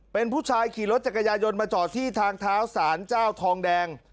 เป็นผู้ชายขี่รถจักรยายนมาจอดที่ทางเท้าสารเจ้าทองแดง